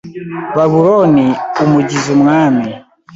Babuloni umugize umwami